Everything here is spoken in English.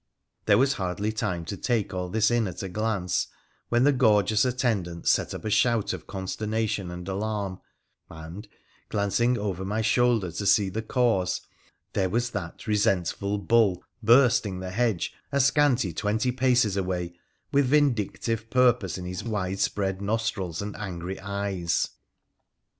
There was hardly time to take all this in at a glance, when the gorgeous attendants set up a shout of consternation and alarm, and, glancing over my shoulder to see the cause, there was that resentful bull bursting the hedge a scanty twenty paces away, with vindictive purpose in his widespread nostrils and angry eyes.